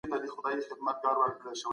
ساینسي پرمختګ د څېړنې لاره اسانه کړي ده.